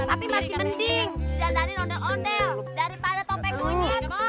tapi masih mending didantarin ondel ondel daripada topek kucet